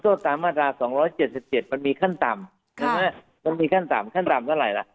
ตามมาตรา๒๗๗มันมีขั้นต่ำมันมีขั้นต่ำขั้นต่ำเท่าไหร่ล่ะ